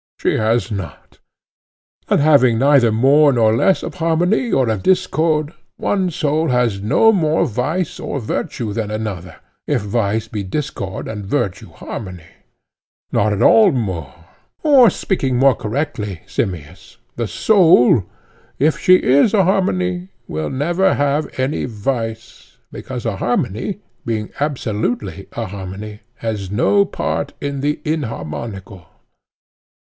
She has not. And having neither more nor less of harmony or of discord, one soul has no more vice or virtue than another, if vice be discord and virtue harmony? Not at all more. Or speaking more correctly, Simmias, the soul, if she is a harmony, will never have any vice; because a harmony, being absolutely a harmony, has no part in the inharmonical.